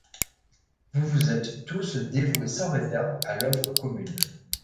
Vous vous êtes tous dévoués sans réserve à l’œuvre commune